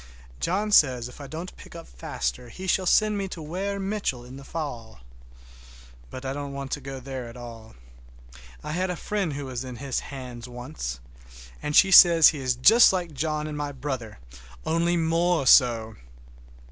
John says if I don't pick up faster he shall send me to Weir Mitchell in the fall. But I don't want to go there at all. I had a friend who was in his hands once, and she says he is just like John and my brother, only more so!